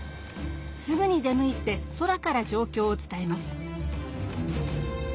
すぐに出向いて空からじょうきょうを伝えます。